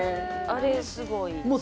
あれすごいいい。